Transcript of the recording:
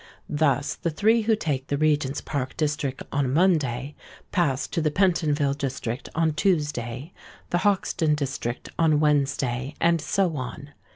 Thus the three who take the Regent's Park district on a Monday, pass to the Pentonville district on Tuesday, the Hoxton district on Wednesday, and so on.